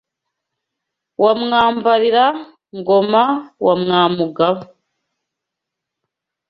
Wa Mwambarira ngoma wa Mwamugaba